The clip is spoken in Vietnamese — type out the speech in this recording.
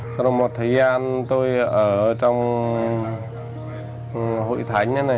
sau đó một thời gian tôi ở trong hội thánh